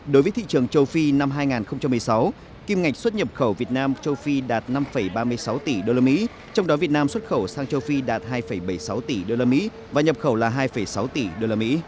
đối với thị trường châu phi năm hai nghìn một mươi sáu kim ngạch xuất nhập khẩu việt nam châu phi đạt năm ba mươi sáu tỷ usd trong đó việt nam xuất khẩu sang châu phi đạt hai bảy mươi sáu tỷ usd và nhập khẩu là hai sáu tỷ usd